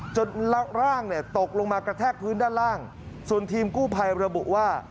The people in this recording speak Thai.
ร่างเนี่ยตกลงมากระแทกพื้นด้านล่างส่วนทีมกู้ภัยระบุว่า